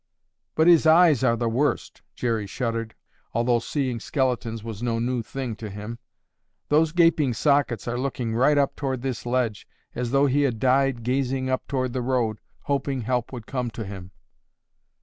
"But his eyes are the worst!" Jerry shuddered, although seeing skeletons was no new thing to him. "Those gaping sockets are looking right up toward this ledge as though he had died gazing up toward the road hoping help would come to him."